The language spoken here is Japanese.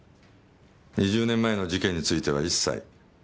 ２０年前の事件については一切。